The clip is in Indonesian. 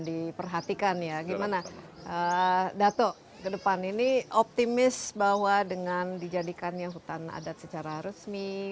diperhatikan ya gimana dato ke depan ini optimis bahwa dengan dijadikannya hutan adat secara resmi